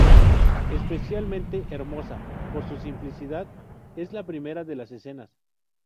Especialmente hermosa por su simplicidad es la primera de las escenas.